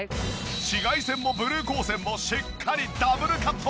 紫外線もブルー光線もしっかりＷカット！